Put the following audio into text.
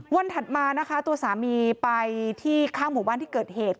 ถัดมานะคะตัวสามีไปที่ข้างหมู่บ้านที่เกิดเหตุ